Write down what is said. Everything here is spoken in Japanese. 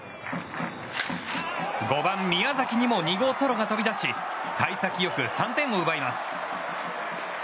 ５番、宮崎にも２号ソロが飛び出し幸先良く３点を奪います。